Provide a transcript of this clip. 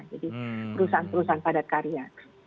jadi perusahaan perusahaan padat karya